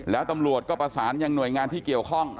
แล้วตำรวจก็ประสานยังหน่วยงานที่เกี่ยวข้อง